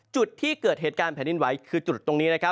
จุดที่เกิดเหตุการณ์แผ่นดินไหวคือจุดตรงนี้นะครับ